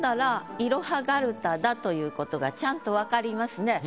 いろはがるただということがちゃんと分かりますね。